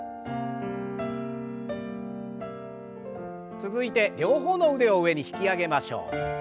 続いて両方の腕を上に引き上げましょう。